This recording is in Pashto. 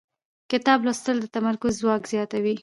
کتاب لوستل د تمرکز ځواک زیاتوي